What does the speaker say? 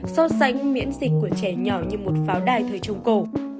so sánh miễn dịch của trẻ nhỏ như một pháo đài thời trung cổ